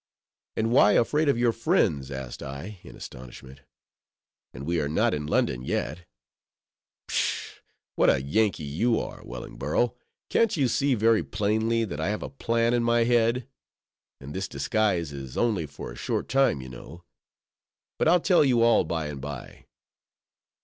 "And why afraid of your friends?" asked I, in astonishment, "and we are not in London yet." "Pshaw! what a Yankee you are, Wellingborough. Can't you see very plainly that I have a plan in my head? And this disguise is only for a short time, you know. But I'll tell you all by and by."